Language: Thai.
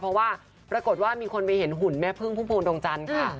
เพราะว่าปรากฏว่ามีคนไปเห็นหุ่นแม่พึ่งพุ่มพวงดวงจันทร์ค่ะ